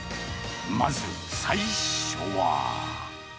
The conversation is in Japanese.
まず最初は。